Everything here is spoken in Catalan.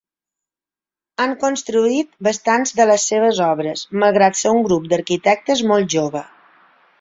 Han construït bastants de les seves obres, malgrat ser un grup d'arquitectes molt jove.